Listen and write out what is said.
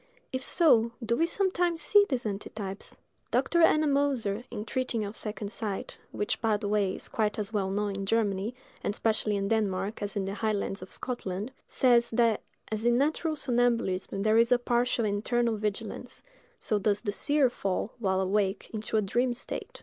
If so, do we sometimes see these antitypes? Dr. Ennemoser, in treating of second sight—which, by the way, is quite as well known in Germany, and especially in Denmark, as in the highlands of Scotland—says, that as in natural somnambulism there is a partial internal vigilance, so does the seer fall, while awake, into a dream state.